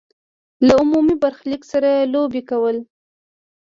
له عمومي برخلیک سره لوبې کول.